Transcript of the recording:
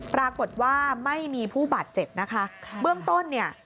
ปรากฏว่าไม่มีผู้บาดเจ็บนะคะเบื้องต้นเนี่ย